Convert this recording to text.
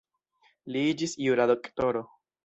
Li iĝis jura doktoro.